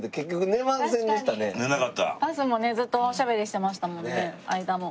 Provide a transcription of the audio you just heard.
バスもねずっとおしゃべりしてましたもんね間も。